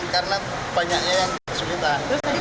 karena banyaknya yang sulit